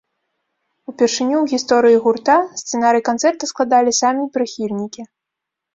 Упершыню ў гісторыі гурта сцэнарый канцэрта складалі самі прыхільнікі.